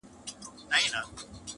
سړي وځي له حسابه په نړۍ کي,